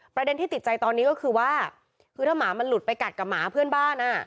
ประเด็นที่ติดใจตอนนี้ก็คือว่าคือถ้าหมามันหลุดไปกัดกับหมาเพื่อนบ้านอ่ะ